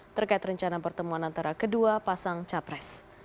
terkait rencana pertemuan antara kedua pasang capres